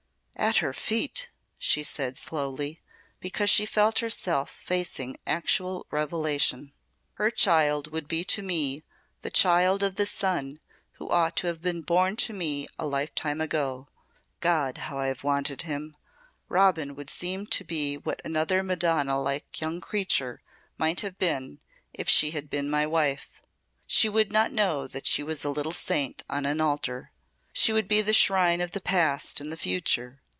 "At her feet!" she said slowly, because she felt herself facing actual revelation. "Her child would be to me the child of the son who ought to have been born to me a life time ago. God, how I have wanted him! Robin would seem to be what another Madonna like young creature might have been if she had been my wife. She would not know that she was a little saint on an altar. She would be the shrine of the past and the future.